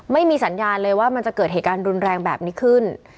ไม่มีสัญญาณเลยว่ามันจะเกิดเหตุการณ์รุนแรงแบบนี้ขึ้น